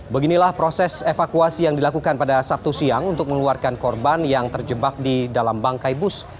beginilah proses evakuasi yang dilakukan pada sabtu siang untuk mengeluarkan korban yang terjebak di dalam bangkai bus